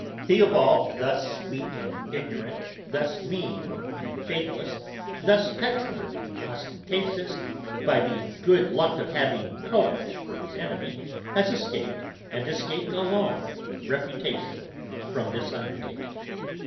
Theobald, thus weak and ignorant, thus mean and faithless, thus petulant and ostentatious, by the good luck of having Pope for his enemy, has escaped, and escaped alone, with reputation, from this undertaking.